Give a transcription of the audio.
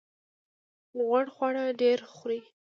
غوړ خواړه ډیر خورئ؟